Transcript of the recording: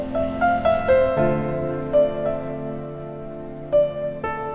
cuman perasaan gue aja sih